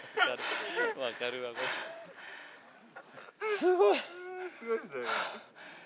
すごい。